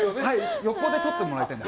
横で撮ってもらいたいので。